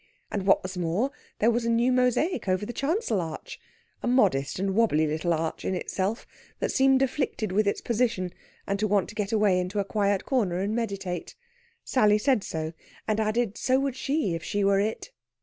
And, what was more, there was a new mosaic over the chancel arch a modest and wobbly little arch in itself, that seemed afflicted with its position, and to want to get away into a quiet corner and meditate. Sally said so, and added so should she, if she were it.